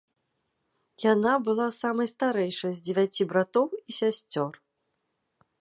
Яна была самай старэйшай з дзевяці братоў і сясцёр.